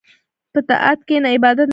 په طاعت کښېنه، عبادت مه پرېږده.